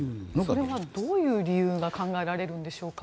それはどういう理由が考えられるのでしょうか。